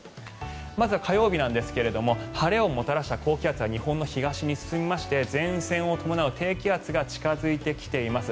まず、火曜日なんですが晴れをもたらした高気圧は日本の東に進みまして前線を伴う低気圧が近付いてきています。